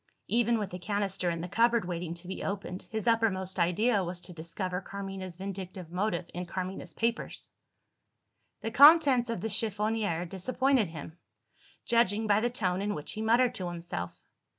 (Even with the canister in the cupboard, waiting to be opened, his uppermost idea was to discover Carmina's vindictive motive in Carmina's papers!) The contents of the chiffonier disappointed him judging by the tone in which he muttered to himself.